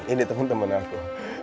ini temen temen aku